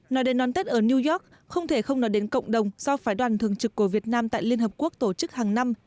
nói đến đón tết ở new york không thể không nói đến cộng đồng do phái đoàn thường trực của việt nam tại liên hợp quốc tổ chức hàng năm